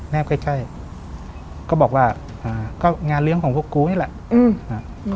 ใกล้ใกล้ก็บอกว่าอ่าก็งานเลี้ยงของพวกกูนี่แหละอืมอ่า